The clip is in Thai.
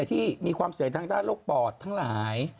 ที่มีความเสี่ยงทางด้านโรคปอดทั้งหลาย